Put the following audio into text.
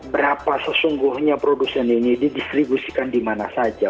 berapa sesungguhnya produsen ini didistribusikan di mana saja